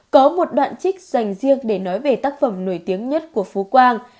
có một đoạn trích dành riêng để nói về tác phẩm nổi tiếng nhất của phú quang